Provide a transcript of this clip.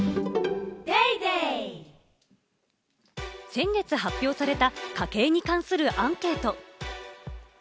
先月発表された、家計に関するアンケート。